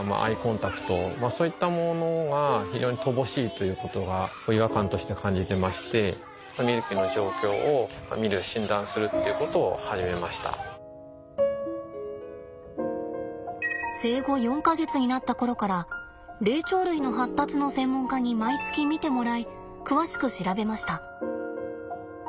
ということが違和感として感じてまして生後４か月になった頃から霊長類の発達の専門家に毎月見てもらい詳しく調べました。